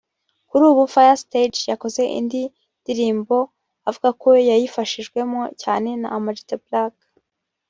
Kuri ubu Fire Stage yakoze indi ndirimbo avuga ko yayifashijwemo cyane na Ama G The Black